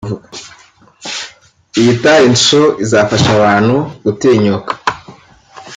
Iyi talent show izafasha abantu gutinyuka